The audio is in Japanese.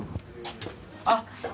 あっ！